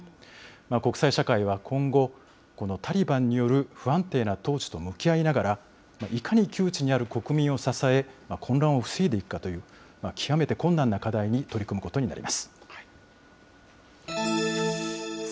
国際社会は今後、このタリバンによる不安定な統治と向き合いながら、いかに窮地にある国民を支え、混乱を防いでいくかという、極めて困難な課題に取り組むことになります。